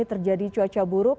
terjadi cuaca buruk